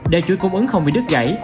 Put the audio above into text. để chuỗi cung ứng không bị đứt gãy